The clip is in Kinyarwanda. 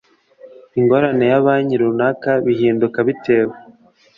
ingorane ya banki runaka bihinduka bitewe